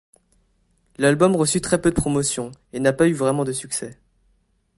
L'album reçut très peu de promotion, et n'a pas eu vraiment de succès.